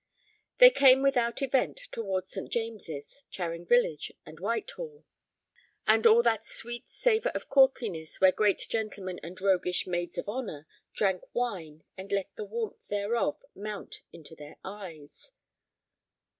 They came without event toward St. James's, Charing Village, and Whitehall, and all that sweet savor of courtliness where great gentlemen and roguish "maids of honor" drank wine and let the warmth thereof mount into their eyes.